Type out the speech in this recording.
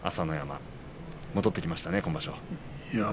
戻ってきましたね、今場所。